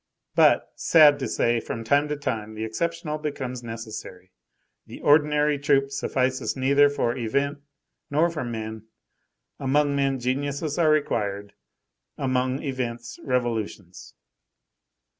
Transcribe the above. But, sad to say, from time to time, the exceptional becomes necessary. The ordinary troupe suffices neither for event nor for men: among men geniuses are required, among events revolutions.